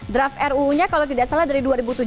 draft ruu nya kalau tidak salah dari dua ribu tujuh belas